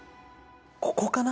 ここかな。